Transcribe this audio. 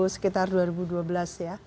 sekitar dua ribu dua belas ya